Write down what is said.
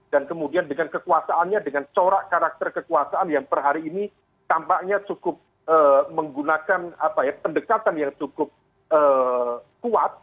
dan kemudian dengan kekuasaannya dengan corak karakter kekuasaan yang per hari ini tampaknya cukup menggunakan pendekatan yang cukup kuat